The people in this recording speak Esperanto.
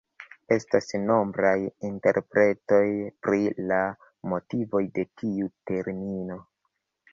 Estas nombraj interpretoj pri la motivoj de tiu termino.